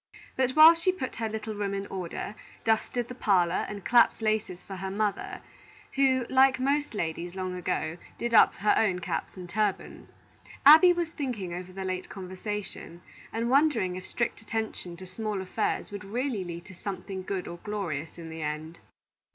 But while she put her little room in order, dusted the parlor, and clapped laces for her mother, who, like most ladies long ago, did up her own caps and turbans, Abby was thinking over the late conversation, and wondering if strict attention to small affairs would really lead to something good or glorious in the end.